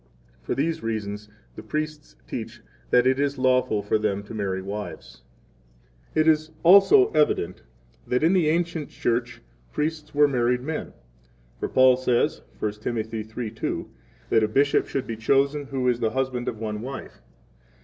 For these reasons 9 the priests teach that it is lawful for them to marry wives. 10 It is also evident that in the ancient Church priests were married men. 11 For Paul says, 1 Tim. 3:2, that a bishop should be chosen who is the husband of one wife.